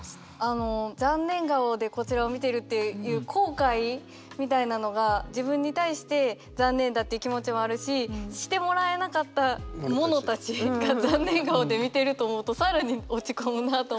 あの「残念顔でこちらを見ている」っていう後悔みたいなのが自分に対して残念だっていう気持ちもあるししてもらえなかったものたちが残念顔で見てると思うと更に落ち込むなあと思って。